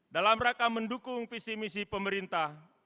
dalam rangka mendukung visi misi pemerintah